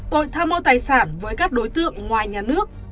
tội tham mô tài sản với các đối tượng ngoài nhà nước